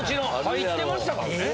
入ってましたからね。